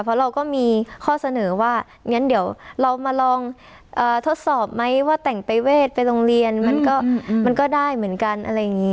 เพราะเราก็มีข้อเสนอว่างั้นเดี๋ยวเรามาลองทดสอบไหมว่าแต่งไปเวทไปโรงเรียนมันก็ได้เหมือนกันอะไรอย่างนี้